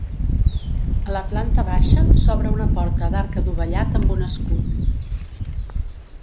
A la planta baixa s'obre una porta d'arc adovellat amb un escut.